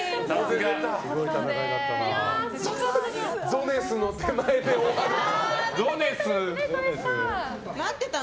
ゾネスの手前で終わった。